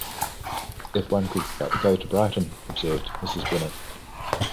“If one could but go to Brighton!” observed Mrs. Bennet.